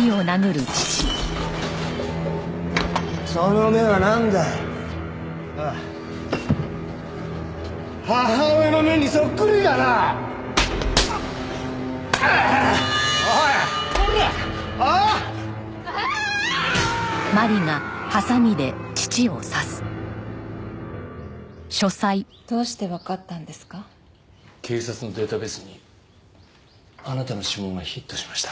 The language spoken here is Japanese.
警察のデータベースにあなたの指紋がヒットしました。